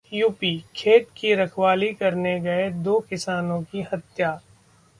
UP खेत की रखवाली करने गए दो किसानों की हत्या